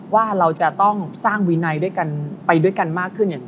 ว่าเราจะต้องสร้างวินัยด้วยกันไปด้วยกันมากขึ้น